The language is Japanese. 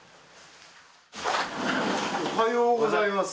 おはようございます。